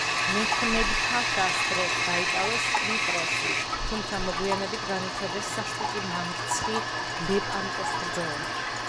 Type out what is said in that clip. მეჰმედ-ფაშას დროს დაიკავეს კვიპროსი, თუმცა მოგვიანებით განიცადეს სასტიკი მარცხი ლეპანტოს ბრძოლაში.